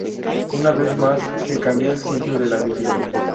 Una vez más se cambió el sitio de la villa.